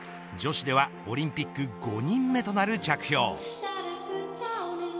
女子ではオリンピック５人目となる着氷。